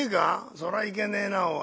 そらいけねえなおい。